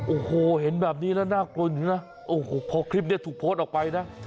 โอ้โหเห็นแบบนี้แล้วน่ากลัวอยู่นะโอ้โหพอคลิปนี้ถูกโพสต์ออกไปนะ